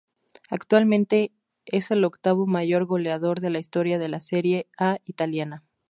Actualmente es el octavo mayor goleador de la historia de la Serie A italiana.